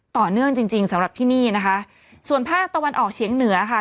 ต่อเนื่องจริงจริงสำหรับที่นี่นะคะส่วนภาคตะวันออกเฉียงเหนือค่ะ